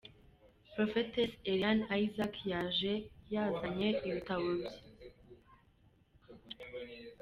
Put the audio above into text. Prophetess Eliane Isaac yaje yazanye ibitabo bye,.